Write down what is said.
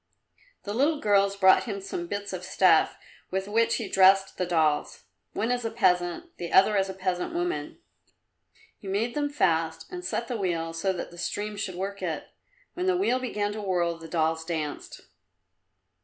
The little girls brought him some bits of stuff with which he dressed the dolls one as a peasant, the other as a peasant woman. He made them fast and set the wheel so that the stream should work it. When the wheel began to whirl the dolls danced.